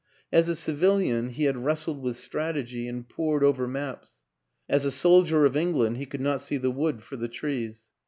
As a civilian he had wrestled with strategy and pored over maps; as a soldier of England he could not see the wood for the trees.